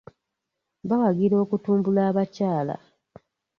Bawagira okutumbula abakyala.